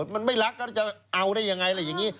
มันไม่รักจะเอาได้อย่างไร